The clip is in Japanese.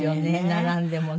並んでもね。